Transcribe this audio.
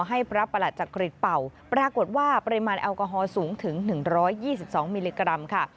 ให้พระประหลัดจักริตเป่าปรากฏว่าปริมาณแอลกอฮอลสูงถึง๑๒๒มิลลิกรัมค่ะ